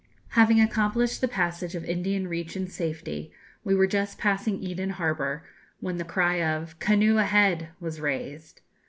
Having accomplished the passage of Indian Reach in safety, we were just passing Eden Harbour, when the cry of 'Canoe ahead!' was raised.